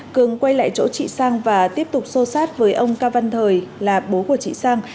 cường quay lại chỗ chị sang và tiếp tục xô sát với ông cao văn thời là bố của chị sang